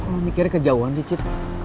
lo mikirnya kejauhan sih cit